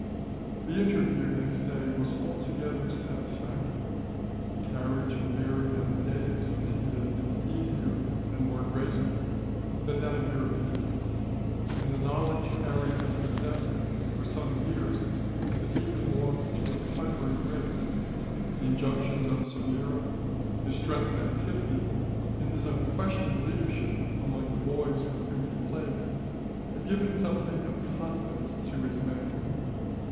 The interview next day was altogether satisfactory. The carriage and bearing of the natives of India is easier, and more graceful, than that of Europeans; and the knowledge Harry had possessed, for some years, that he belonged to a conquering race, the injunctions of Soyera, his strength and activity, and his unquestioned leadership among the boys with whom he played, had given something of confidence to his manner.